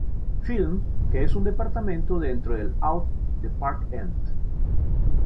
Film que es un departamento dentro de Out the Park ent.